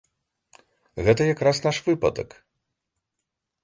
Гэта якраз наш выпадак.